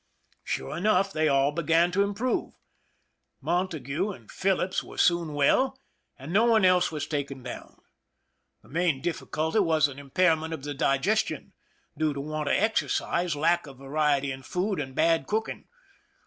Sure enough, they all began to improve. Montague and Phillips were 251 THE SINKINa OF THE "MEREIMAC" soon well, and no one else was taken down. The main diflficulty was an impairment of the digestion, due to want of exercise, lack of variety in food, and bad cooking.